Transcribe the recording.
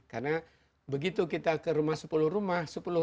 karena begitu kita ke rumah sepuluh rumah